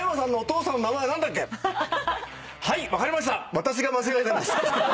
私が間違えてました。